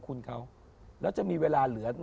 คุณเขาแล้วจะมีเวลาเหลือ